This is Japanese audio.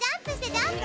ジャンプ！